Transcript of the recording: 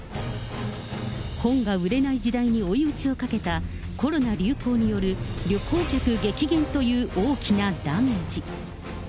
本が売れない時代に追い打ちをかけたコロナ流行による旅行客激減という大きなダメージ。